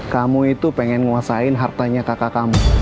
kamu itu pengen nguasain hartanya kakak kamu